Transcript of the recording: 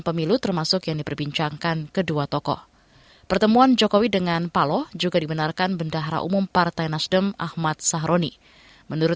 pertama kali kita berkahwin